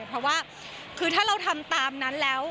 เพราะว่าคือถ้าเราทำตามนั้นแล้ว